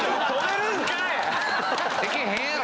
できへんやろ！